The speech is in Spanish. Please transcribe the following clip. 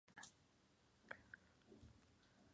Fructifica abundantemente en la primavera y el verano.